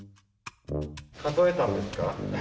数えたんですか？